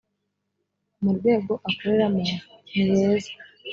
mu rwego akoreramo niheza.